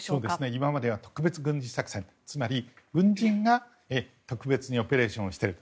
今までは特別軍事作戦つまり軍人が特別にオペレーションをしている。